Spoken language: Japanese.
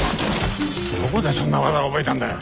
どこでそんな技を覚えたんだ。